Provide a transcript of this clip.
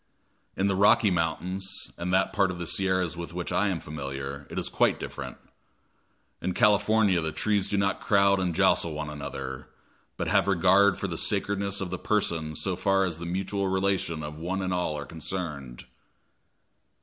In the Rocky Mountains, and that part of the Sierras with which I am familiar, it is quite different. In California the trees do not crowd and jostle one another, but have regard for the sacredness of the person so far as the mutual relation of one and all are concerned.